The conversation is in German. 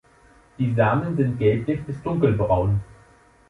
Die Samen sind gelblich bis dunkelbraun.